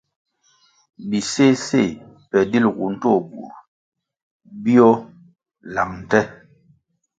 Biséséh pe dilgu ndtoh bur bíőh lang nte.